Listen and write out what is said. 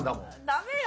ダメよ！